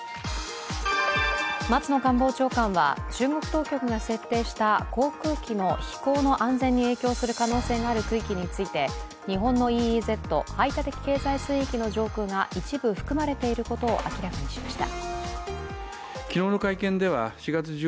松野官房長官は中国当局が設定した航空機の飛行の安全に影響する可能性がある区域について日本のＥＥＺ＝排他的経済水域の上空が一部含まれていることを明らかにしました。